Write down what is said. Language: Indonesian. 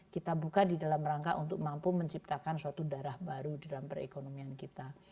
kita buka di dalam rangka untuk mampu menciptakan suatu darah baru dalam perekonomian kita